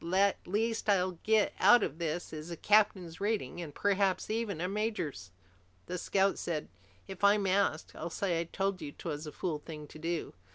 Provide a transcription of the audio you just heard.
The least I'll get out of this is a captain's rating, and perhaps even a major's!" The scout said, "If I'm asked, I'll say I told you 'twas a fool thing to do."